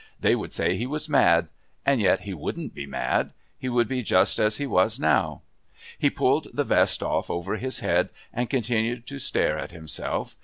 They would say he was mad. And yet he wouldn't be mad. He would be just as he was now. He pulled the vest off over his head and continued to stare at himself.